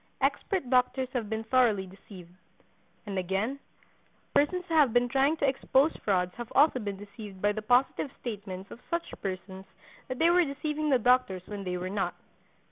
Expert doctors have been thoroughly deceived. And again, persons who have been trying to expose frauds have also been deceived by the positive statements of such persons that they were deceiving the doctors when they were not.